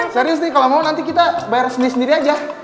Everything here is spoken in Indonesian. serius nih kalau mau nanti kita bayar sendiri sendiri aja